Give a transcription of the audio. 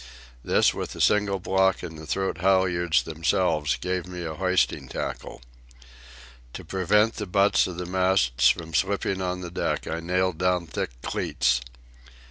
This, with the single block and the throat halyards themselves, gave me a hoisting tackle. To prevent the butts of the masts from slipping on the deck, I nailed down thick cleats.